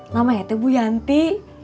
namanya itu bu yanti